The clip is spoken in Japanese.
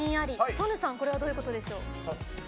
ソヌさんこれはどういうことでしょう？